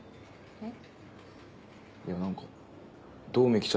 えっ？